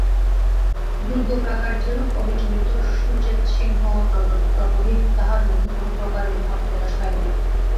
দুর্গপ্রাকার যেরূপ অবিচলিত, সুচেতসিংহও ততোধিক–তাঁহার মুখে কোনোপ্রকারই ভাব প্রকাশ পাইল না।